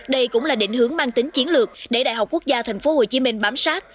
đây cũng là định hướng mang tính chiến lược để đại học quốc gia tp hcm bám sát